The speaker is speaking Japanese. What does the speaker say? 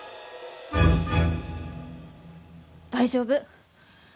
大丈夫。